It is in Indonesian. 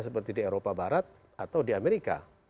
seperti di eropa barat atau di amerika